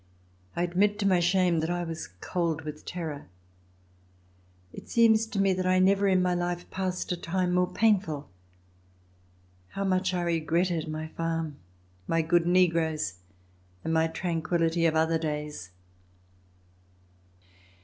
I admit to my shame that I was cold with terror. It seems to me that I never in my life passed a time more painful. How much I regretted my farm, my good negroes and my tranquillity of other days!